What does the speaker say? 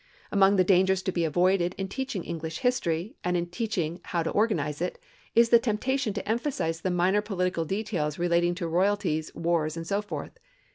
Among the dangers to be avoided in teaching English history, and in teaching how to organize it, is the temptation to emphasize the minor political details relating to royalties, wars and so forth.